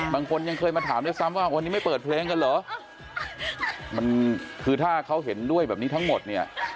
บางคนยังเคยมาถามด้วยซ้ำว่าวันนี้ไม่เปิดเพลงกันเหรอมันคือถ้าเขาเห็นด้วยแบบนี้ทั้งหมดเนี่ย